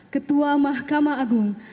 ketua mahkamah agung